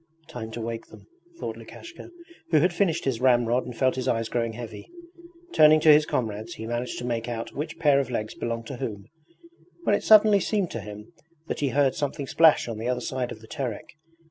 'Time to wake them,' thought Lukashka, who had finished his ramrod and felt his eyes growing heavy. Turning to his comrades he managed to make out which pair of legs belonged to whom, when it suddenly seemed to him that he heard something splash on the other side of the Terek.